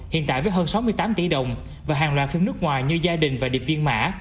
hiện tại với hơn sáu mươi tám tỷ đồng và hàng loạt phim nước ngoài như gia đình và điệp viên mã